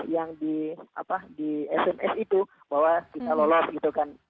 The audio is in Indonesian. yang di sms itu bahwa kita lolos gitu kan